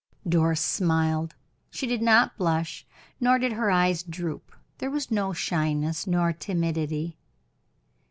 Doris smiled. She did not blush, nor did her eyes droop; there was no shyness nor timidity.